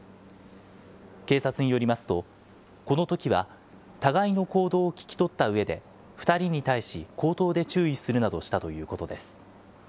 警察によりますと、このときは互いの行動を聞き取ったうえで、２人に対し、口頭で注意するなどしたということです。